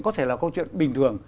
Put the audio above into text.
có thể là câu chuyện bình thường